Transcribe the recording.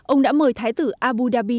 ông đã mời thái tử abu dhabi